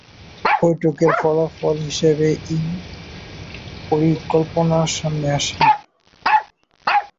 বৈঠকের ফলাফল হিসেবে এই প্রকল্প সামনে আসে।